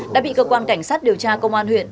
đã bị cơ quan cảnh sát điều tra công an huyện